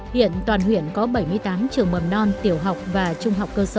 hiện toàn huyện có bảy mươi tám trường mầm non tiểu học và trung học cơ sở